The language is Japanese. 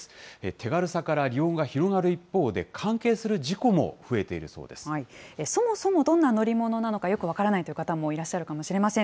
手軽さから利用が広がる一方で、関係する事故も増えているそうでそもそもどんな乗り物なのかよく分からないという方もいらっしゃるかもしれません。